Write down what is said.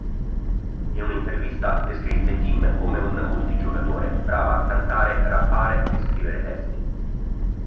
In un'intervista, descrisse Kim come un multi-giocatore brava a cantare, rappare e scrivere testi.